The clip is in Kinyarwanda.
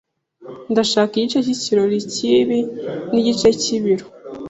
Ndashaka igice cy'ikiro cy'ibi n'igice cy'ibiro.